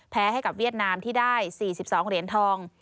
แพ้ให้กับเวียดนามที่ได้๔๒เหรียญทอง